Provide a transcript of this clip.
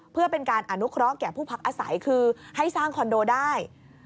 เพื่อเป็นการอนุเคราะห์แก่ผู้พักอาศัยคือให้สร้างคอนโดได้